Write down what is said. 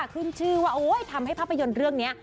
ขึ้นชื่อว่าทำให้ภาพยนตร์เรื่องนี้